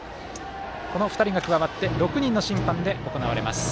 この２人が加わって６人の審判で行われます。